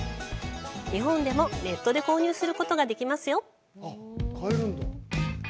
日本でもネットで購入することができますよ！